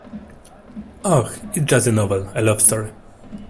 Oh, it's just a novel, a love story.